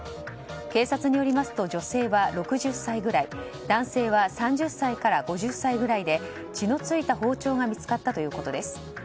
警察によりますと女性は６０歳ぐらい男性は３０歳から５０歳ぐらいで血の付いた包丁が見つかったということです。